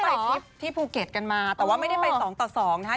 เขาไปทริปที่ภูเก็ตกันมาแต่ว่าไม่ได้ไปสองต่อสองนะฮะ